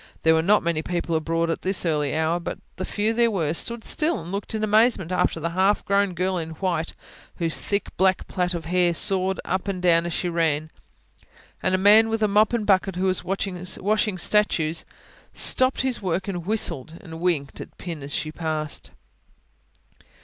There were not many people abroad at this early hour, but the few there were, stood still and looked in amazement after the half grown girl in white, whose thick black plait of hair sawed up and down as she ran; and a man with mop and bucket, who was washing statues, stopped his work and whistled, and winked at Pin as she passed.